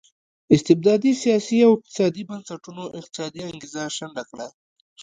استبدادي سیاسي او اقتصادي بنسټونو اقتصادي انګېزه شنډه کړه.